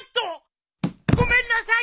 ごめんなさい！